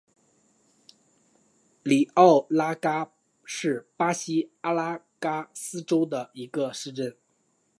里奥拉戈是巴西阿拉戈斯州的一个市镇。